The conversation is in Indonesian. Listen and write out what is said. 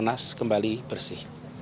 menyiapkan monas kembali bersih